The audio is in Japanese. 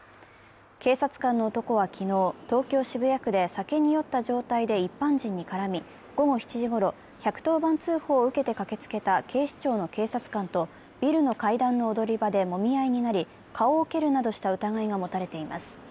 警察官の男は昨日、東京・渋谷区で酒に酔った状態で一般人に絡み、午後７時ごろ、１１０番通報を受けて駆けつけた警視庁の警察官とビルの階段の踊り場でもみ合いになり顔を蹴るなどした疑いが持たれています。